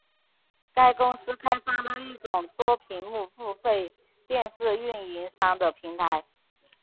该公司开发了一种多屏幕付费电视运营商的平台。